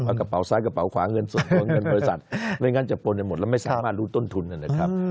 เอากระเป๋าซ้ายกระเป๋าขวาเงินส่วนตัวเงินบริษัทไม่งั้นจะปนกันหมดแล้วไม่สามารถรู้ต้นทุนนะครับ